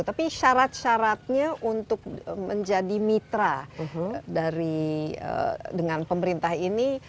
tapi syarat syaratnya untuk menjadi mitra dengan pemerintah ini